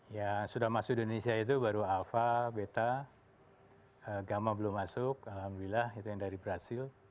ya sudah masuk di indonesia itu baru alpha beta gamma belum masuk alhamdulillah itu yang dari brazil